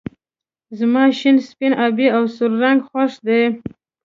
زما شين سپين آبی او سور رنګ خوښ دي